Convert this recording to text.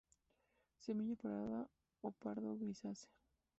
Semilla parda o pardo-grisácea.